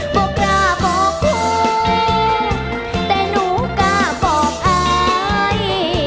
บอกกล้าบอกครูแต่หนูกล้าบอกอาย